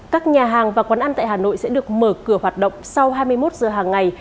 các nhà hàng và quán ăn tại hà nội sẽ được mở cửa hoạt động sau hai mươi một giờ hàng ngày